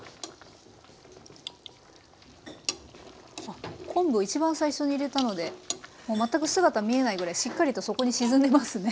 あっ昆布を一番最初に入れたのでもう全く姿見えないぐらいしっかりと底に沈んでますね。